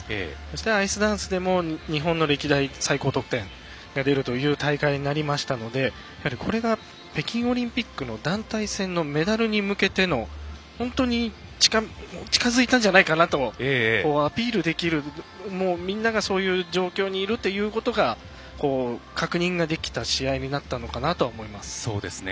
アイスダンスでも日本の歴代で最高得点が出るという大会になりましたのでやはり、これが北京オリンピックの団体戦のメダルに向けての本当に近づいたんじゃないかなとアピールできるみんなが、そういう状況にいるということが確認ができた試合になったのかなと思います。